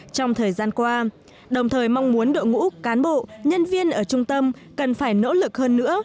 trong thời gian qua đồng thời mong muốn đội ngũ cán bộ nhân viên ở trung tâm cần phải nỗ lực hơn nữa